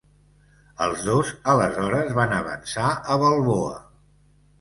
Els dos aleshores van avançar a Balboa.